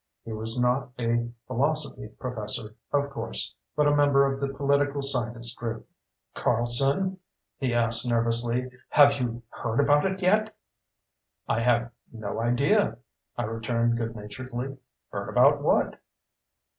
He was not a philosophy professor, of course, but a member of the political science group. "Carlson," he asked nervously, "have you heard about it yet?" "I have no idea," I returned good naturedly. "Heard about what?"